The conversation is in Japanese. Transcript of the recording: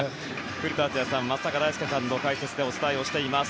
古田敦也さん、松坂大輔さんの解説でお伝えしています。